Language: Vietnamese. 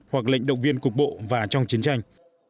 hoặc lệnh động viên cục bộ và trong chiến tranh